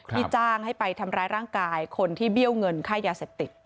ที่จ้างให้ไปทำร้ายร่างกายคนที่เบี้ยวเงินค่ายาเสพติด